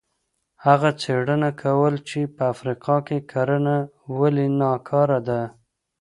هغه څېړنه کوله چې په افریقا کې کرنه ولې ناکاره ده.